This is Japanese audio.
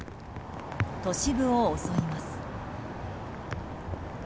都市部を襲います。